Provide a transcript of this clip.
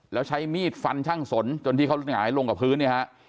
แล้วใช้มีดฟันช่างสนจนที่เขาหงายลงกับพื้นเนี่ยฮะ